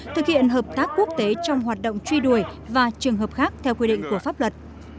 thực hiện hợp tác quốc tế trong hoạt động truy đuổi và trường hợp khác theo quy định của pháp luật